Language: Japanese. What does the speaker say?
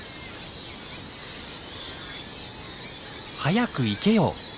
「早く行けよ！」